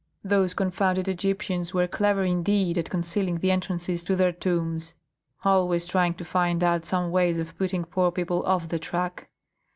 "Those confounded Egyptians were clever indeed at concealing the entrances to their tombs, always trying to find out some way of putting poor people off the track.